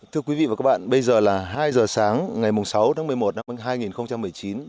thưa quý vị và các bạn bây giờ là hai giờ sáng ngày sáu tháng một mươi một năm hai nghìn một mươi chín